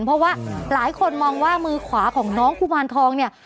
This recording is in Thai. เพราะว่าหลายคนมองว่ามือขวาของน้องกุมารทองเนี่ย